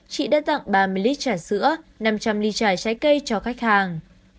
chị đã tặng ba mươi lít trà sữa năm trăm linh ly trài trái cây cho khách hàng